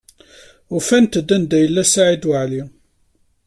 Ufant-d anda yella Saɛid Waɛli.